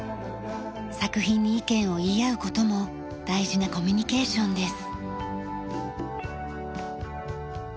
作品に意見を言い合う事も大事なコミュニケーションです。